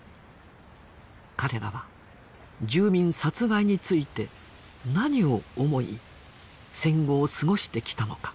彼らは住民殺害について何を思い戦後を過ごしてきたのか？